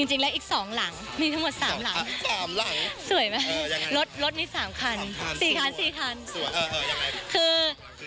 อีกหลังหนึ่งคือ